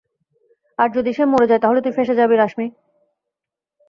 আর যদি সে মরে তাহলে তুই ফেঁসে যাবি না রাশমি।